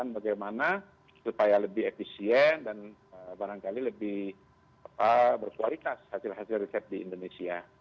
bagaimana supaya lebih efisien dan barangkali lebih berkualitas hasil hasil riset di indonesia